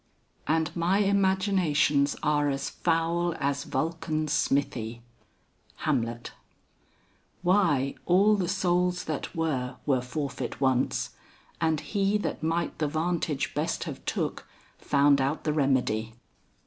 "And my imaginations are as foul As Vulcan's smithy." HAMLET. "Why, all the souls that were, were forfeit once; And He that might the vantage best have took Found out the remedy."